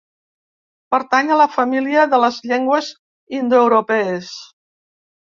Pertany a la família de les llengües indoeuropees.